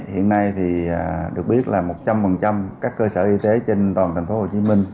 hiện nay thì được biết là một trăm linh các cơ sở y tế trên toàn thành phố hồ chí minh